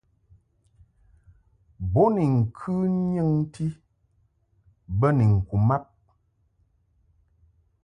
Bo ni ŋkɨ nyɨŋti bə ni ŋku mab.